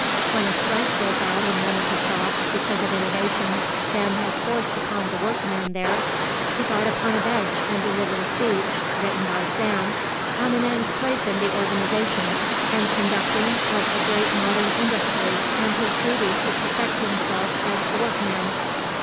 When a strike broke out in one of the shops because of innovations Sam had forced upon the workmen there, he got upon a bench and delivered a speech written by Sam on a man's place in the organisation and conducting of a great modern industry and his duty to perfect himself as a workman.